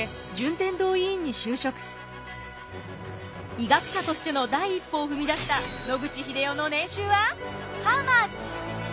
医学者としての第一歩を踏み出した野口英世の年収は？